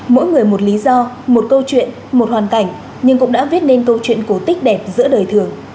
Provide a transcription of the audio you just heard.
mỗi người một lý do một câu chuyện một hoàn cảnh nhưng cũng đã viết nên câu chuyện cổ tích đẹp giữa đời thường